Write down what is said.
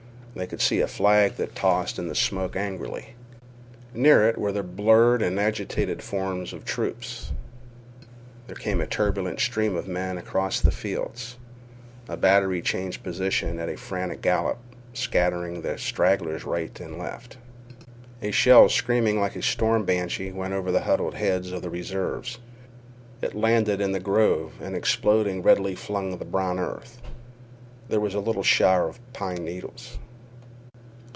They could see a flag that tossed in the smoke angrily. Near it were the blurred and agitated forms of troops. There came a turbulent stream of men across the fields. A battery changing position at a frantic gallop scattered the stragglers right and left. A shell screaming like a storm banshee went over the huddled heads of the reserves. It landed in the grove, and exploding redly flung the brown earth. There was a little shower of pine needles.